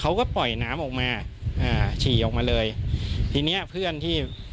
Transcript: เขาก็ปล่อยน้ำออกมาอ่าฉี่ออกมาเลยทีเนี้ยเพื่อนที่